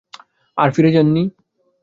আর ফিরে যাননি?